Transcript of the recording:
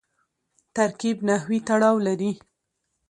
ترکیب نحوي تړاو لري.